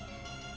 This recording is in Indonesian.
pergi ke sana